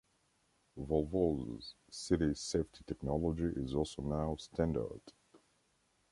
Volvo's City Safety technology is also now standard.